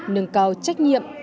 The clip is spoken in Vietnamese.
nâng cao trách nhiệm